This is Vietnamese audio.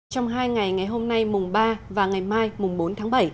trong hai ngày ngày hôm nay mùng ba và ngày mai mùng bốn tháng bảy